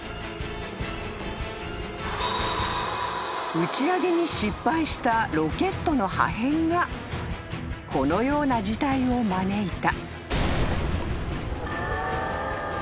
［打ち上げに失敗したロケットの破片がこのような事態を招いた］